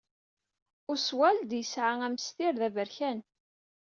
Oswald yesɛa amestir d aberkan.